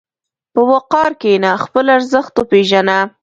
په وقار کښېنه، خپل ارزښت وپېژنه.